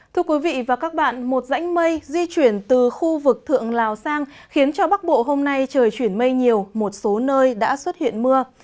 thưa quý vị và các bạn một rãnh mây di chuyển từ khu vực thượng lào sang khiến cho bắc bộ hôm nay trời chuyển mây nhiều một số nơi đã xuất hiện mưa